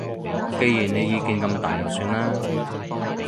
既然你意見咁大就算啦